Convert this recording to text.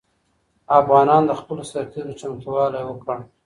افغانانو د خپلو سرتېرو چمتووالی وکړ.